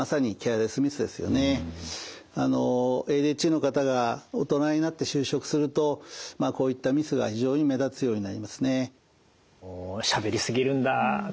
ＡＤＨＤの方が大人になって就職するとまあこういったミスが非常に目立つようになりますね。